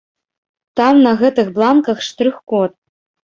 Там на гэтых бланках штрых-код.